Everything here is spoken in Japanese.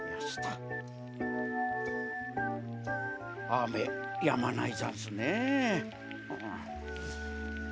あめやまないざんすねえ。